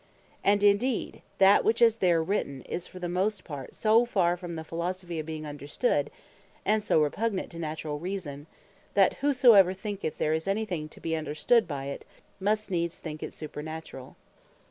And indeed that which is there written, is for the most part so far from the possibility of being understood, and so repugnant to naturall Reason, that whosoever thinketh there is any thing to bee understood by it, must needs think it supernaturall.